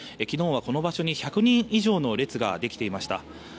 昨日はこの場所に１００人以上の列ができていました。